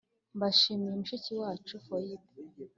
mbashimiye mushiki wacu Foyibe